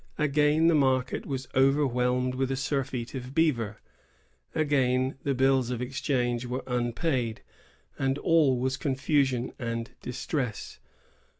Again the market was overwhelmed with a surfeit of beaver. Again the bills of exchange were unpaid, and all was confusion and distress.